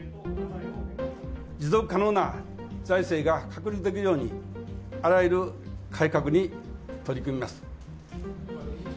持続可能な財政が確立できるように、あらゆる改革に取り組みます。